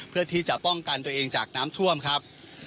เพื่อที่จะป้องกันตัวเองจากน้ำท่วมครับ